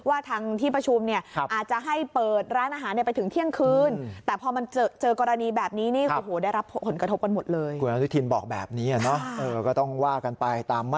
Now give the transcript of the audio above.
อันนี้มีมาตรการที่เข้มข้นจริงหรือเปล่า